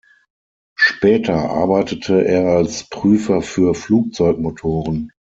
Später arbeitete er als Prüfer für Flugzeugmotoren.